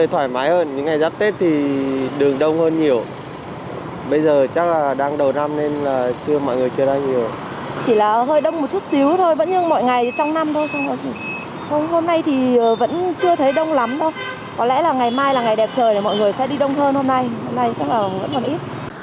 hôm nay thì vẫn chưa thấy đông lắm đâu có lẽ là ngày mai là ngày đẹp trời để mọi người sẽ đi đông hơn hôm nay hôm nay chắc là vẫn còn ít